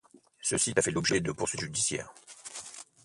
Ce site a fait l'objet de poursuites judiciaires.